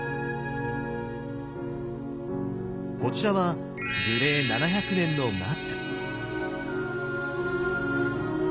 こちらは樹齢７００年の松。